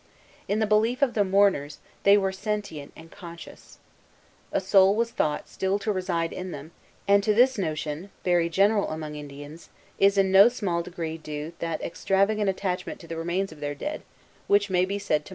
In the belief of the mourners, they were sentient and conscious. A soul was thought still to reside in them; and to this notion, very general among Indians, is in no small degree due that extravagant attachment to the remains of their dead, which may be said to mark the race.